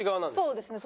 そうですね。